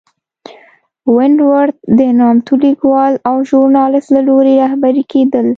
ونټ ورت د نامتو لیکوال او ژورنالېست له لوري رهبري کېدل.